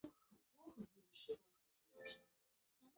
内田翔是日本男子游泳运动员。